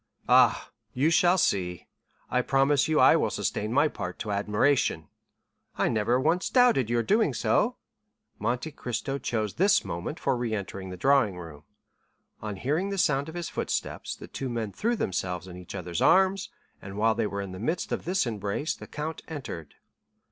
"Ah, you shall see; I promise you I will sustain my part to admiration." "I never once doubted your doing so." Monte Cristo chose this moment for re entering the drawing room. On hearing the sound of his footsteps, the two men threw themselves in each other's arms, and while they were in the midst of this embrace, the count entered.